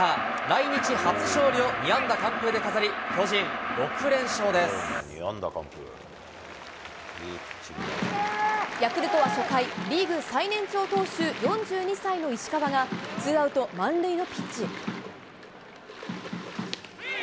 来日初勝利を２安打完封で飾り、巨人、ヤクルトは初回、リーグ最年長投手、４２歳の石川が、ツーアウト満塁のピンチ。